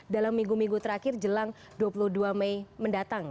dalam minggu minggu terakhir jelang dua puluh dua mei mendatang